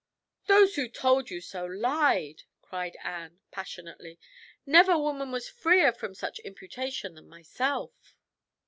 "Those who told you so lied!" cried Anne passionately. "Never woman was freer from such imputation than myself."